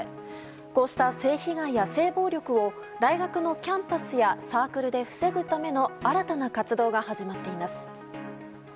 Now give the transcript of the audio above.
こうした性被害や性暴力を大学のキャンパスやサークルで防ぐための新たな活動が始まっています。